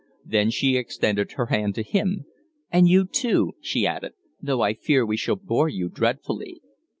Then she extended her hand to him. "And you, too!" she added. "Though I fear we shall bore you dreadfully."